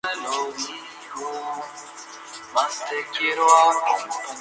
En mueblería, ebanistería, artesanías, mangos de herramientas y de cubiertos, pisos, construcción.